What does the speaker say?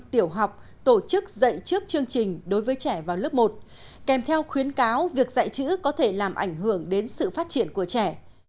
tiểu học tổ chức dạy trước chương trình đối với trẻ vào lớp một kèm theo khuyến cáo việc dạy chữ có thể làm ảnh hưởng đến sự phát triển của trẻ